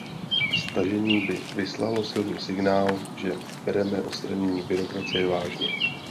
Stažení by vyslalo silný signál, že bereme odstranění byrokracie vážně.